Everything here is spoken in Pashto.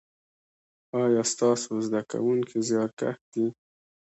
ایا ستاسو زده کونکي زیارکښ دي؟